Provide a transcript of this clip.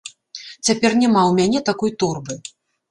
Цяпер няма ў мяне такой торбы.